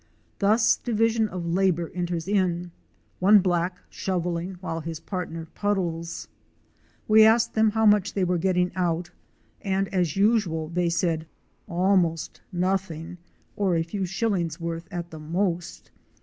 Thus division of labor enters in—one_ black shovelling while his partner puddles. We asked them how Fic. 84. PANNING GOLD. much they were getting out and, as usual, they said ''almost nothing," or a few shillings' worth at the most!